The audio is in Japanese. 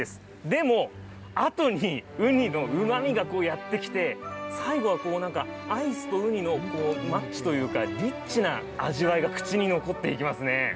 でも、あとにウニのうまみがやってきて、最後は、なんかアイスとウニのマッチというかリッチな味わいが口に残っていきますね。